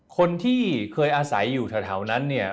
คนที่เคยอาศัยอยู่แถวนั้นเนี่ย